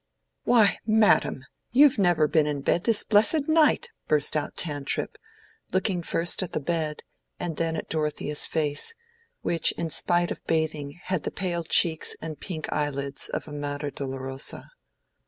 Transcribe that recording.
"Why, madam, you've never been in bed this blessed night," burst out Tantripp, looking first at the bed and then at Dorothea's face, which in spite of bathing had the pale cheeks and pink eyelids of a mater dolorosa.